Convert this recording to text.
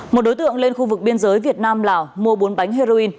một đối tượng lên khu vực biên giới việt nam lào mua bốn bánh heroin